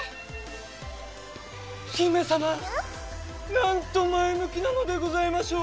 なんと前向きなのでございましょう。